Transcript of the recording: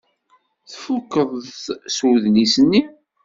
Tfukkeḍ s udlis-nni?